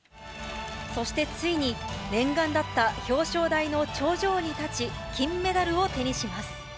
そしてついに、念願だった表彰台の頂上に立ち、金メダルを手にします。